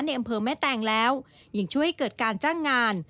อำเภอแม่แตงแล้วยังช่วยให้เกิดการจ้างงาน